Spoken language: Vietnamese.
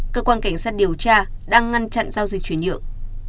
cơ quan cảnh sát điều tra đang ngăn chặn giao dịch chuyển nhượng